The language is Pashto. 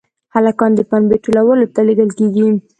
هلکان د پنبې ټولولو ته لېږل کېږي.